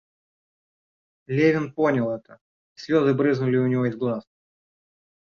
Левин понял это, и слезы брызнули у него из глаз.